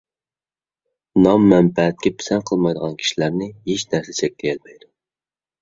نام ـ مەنپەئەتكە پىسەنت قىلمايدىغان كىشىلەرنى ھېچ نەرسە چەكلىيەلمەيدۇ،